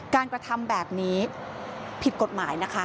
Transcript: กระทำแบบนี้ผิดกฎหมายนะคะ